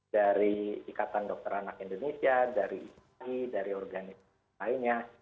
dari ikatan dokter anak indonesia dari isi dari organisasi lainnya